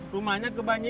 rumahnya ke banjiran